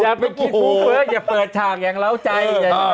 อยากไปคิดฟุ้งเฟ้ออยากเปิดฉากอย่างเล้าใจ